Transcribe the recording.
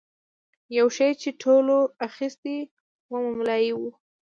یو شی چې ټولو اخیستی و مملايي وه.